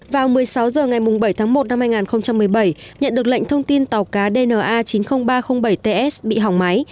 vào một mươi sáu h ngày bảy tháng một năm hai nghìn một mươi bảy nhận được lệnh thông tin tàu cá dna chín mươi nghìn ba trăm linh bảy ts bị hỏng máy